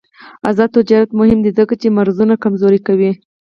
آزاد تجارت مهم دی ځکه چې مرزونه کمزوري کوي.